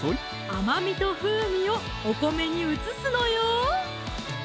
甘みと風味をお米に移すのよ